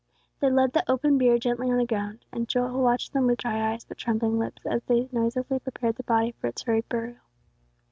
They laid the open bier gently on the ground, and Joel watched them with dry eyes but trembling lips, as they noiselessly prepared the body for its hurried burial.